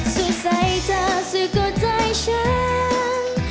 สุดใส่เธอซึกกดใจฉัน